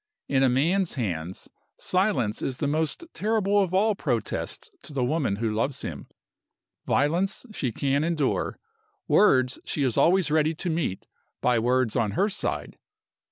In a man's hands silence is the most terrible of all protests to the woman who loves him. Violence she can endure. Words she is always ready to meet by words on her side.